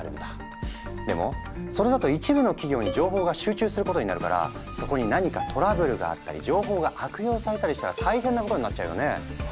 でもそれだと一部の企業に情報が集中することになるからそこに何かトラブルがあったり情報が悪用されたりしたら大変なことになっちゃうよね？